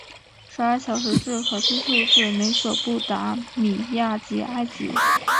十二小时制可追溯至美索不达米亚及埃及。